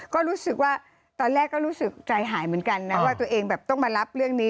ก็รู้สึกว่าตอนแรกก็รู้สึกใจหายเหมือนกันนะว่าตัวเองแบบต้องมารับเรื่องนี้